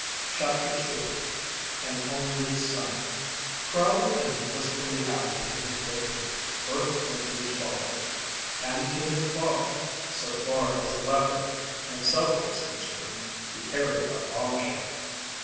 CHAPTER II AN ONLY SON Proud, and blissfully happy in his victory, Burke went to his father; and to his father (so far as the latter himself was concerned) he carried a bombshell.